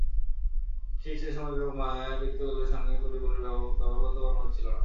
ঠিক সেই সময়ে যোগমায়ার পিতৃকুলের সঙ্গে পতিকুলের ব্যবহারগত বর্ণভেদ ছিল না।